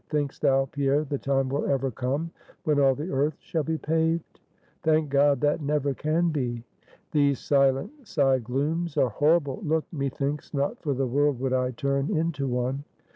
Think'st thou, Pierre, the time will ever come when all the earth shall be paved?" "Thank God, that never can be!" "These silent side glooms are horrible; look! Methinks, not for the world would I turn into one."